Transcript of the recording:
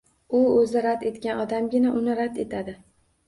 U o`zi rad etgan odamgina uni rad etadi